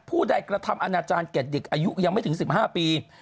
ผู้ใดกระทำอนาจารย์แก่เด็กอายุยังไม่ถึง๑๕ปี